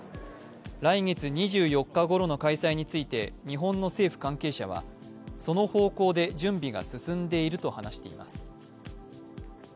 来月２４日ごろの開催について日本の政府関係者はその方向で準備が進んでいると話しています。